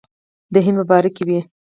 د هند په باره کې وې.